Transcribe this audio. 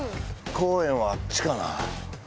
公園はあっちかな？